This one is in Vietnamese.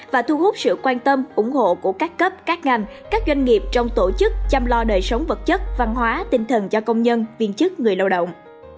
và thu hút sự quan tâm ủng hộ của các cấp các ngành các doanh nghiệp trong tổ chức chăm lo đời sống vật chất văn hóa tinh thần cho công nhân viên chức người lao động